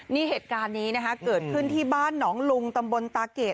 นี่เหตุการณ์นี้นะคะเกิดขึ้นที่บ้านหนองลุงตำบลตาเกรด